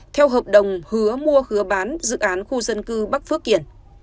theo hợp đồng hứa mua hứa bán dự án khu dân cư bắc phước kiển